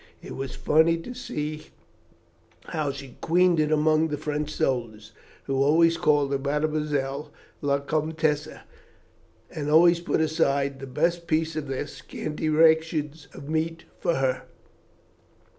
It was funny to see how she queened it among the French soldiers, who always called her Mademoiselle la Comtesse, and always put aside the best piece of their scanty ration of meat for her."